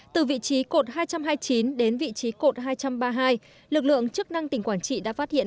từ vị trí cột hai trăm hai mươi chín đến vị trí cột hai trăm ba mươi hai lực lượng chức năng tỉnh quảng trị đã phát hiện